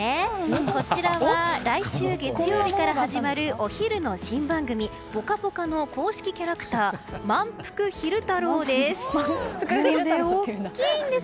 こちらは来週月曜日から始まるお昼の新番組「ぽかぽか」の公式キャラクターまんぷく昼太郎です。